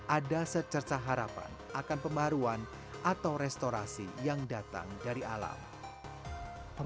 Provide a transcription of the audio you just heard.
ada secerca harapan akan pembaruan atau restorasi yang datang dari alam